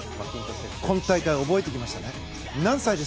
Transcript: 今大会、覚えてきましたね。